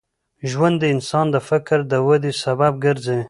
ژوند د انسان د فکر د ودې سبب ګرځي.